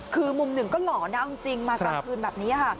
คือมุมหนึ่งก็หล่อนะเอาจริงมากลางคืนแบบนี้ค่ะ